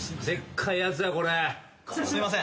すいません。